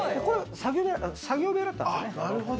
作業部屋だったんですね。